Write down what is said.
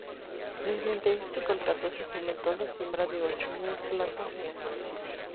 Mediante este contrato, se fomentó la siembra de ocho mil plantas en el municipio.